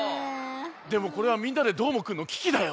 でもこれは「みんなＤＥどーもくん！」のききだよ。